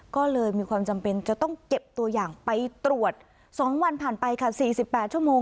ก็เลยมีความจำเป็นจะต้องเก็บตัวอย่างไปตรวจ